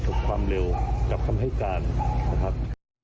ความเร็วกับคำให้การนะครับ